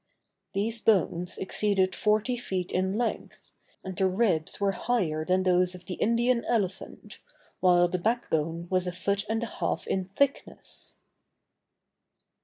These bones exceeded forty feet in length, and the ribs were higher than those of the Indian elephant, while the back bone was a foot and a half in thickness.